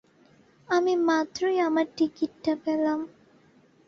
আমি মাত্রই আমার টিকিট টা পেলাম।